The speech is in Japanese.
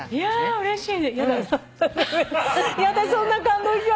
うれしいね。